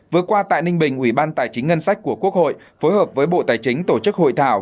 vừa qua tại ninh bình ủy ban tài chính ngân sách của quốc hội phối hợp với bộ tài chính tổ chức hội thảo